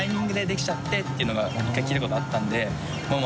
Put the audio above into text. ていうのが１回聞いたことがあったんで。